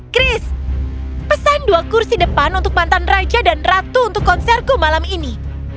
chris pesan dua kursi depan untuk mantan raja dan ratu untuk konserku malam ini